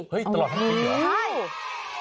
เฮ้ยตลอดทั้งปีเหรอ